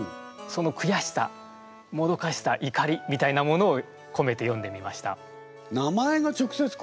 そのくやしさもどかしさ怒りみたいなものをこめて詠んでみました。